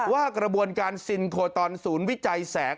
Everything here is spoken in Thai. ว่ากระบวนการซินโคตอนศูนย์วิจัยแสง